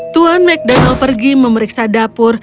tuan mcdonald pergi memeriksa dapur